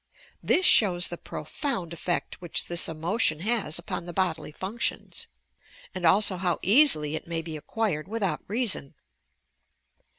This shows the profound effect which this emotion has uimn the bodily functions, and also how easily it may be acquired without reason.